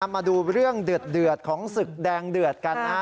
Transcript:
มาดูเรื่องเดือดของศึกแดงเดือดกัน